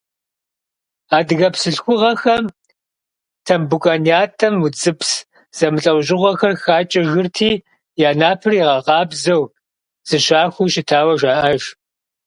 Адыгэ бзылъхугъэхэм Тамбукъан ятӏэм удзыпс зэмылӏэужьыгъуэхэр хакӏэжырти, я напэр ирагъэкъабзэу, зыщахуэу щытауэ жаӏэж.